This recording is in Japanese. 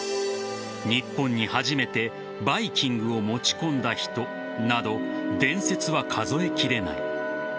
日本に初めてバイキングを持ち込んだ人など伝説は数え切れない。